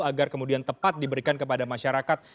agar kemudian tepat diberikan kepada masyarakat